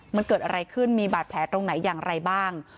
มันเกิดอะไรขึ้นมีบาดแผลตรงไหนอย่างไรบ้าง